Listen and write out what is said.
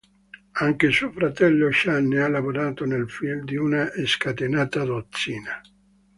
Anche suo fratello Shane ha lavorato nei film di Una scatenata dozzina.